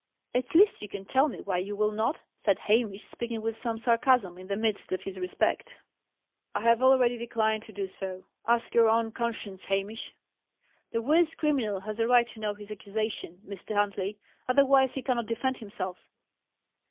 "At least you can tell me why you will not?" said Hamish, speaking with some sarcasm, in the midst of his respect. "I have already declined to do so. Ask your own conscience, Hamish." "The worst criminal has a right to know his accusation, Mr. Huntley. Otherwise he cannot defend himself."